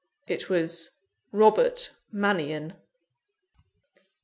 It was "ROBERT MANNION."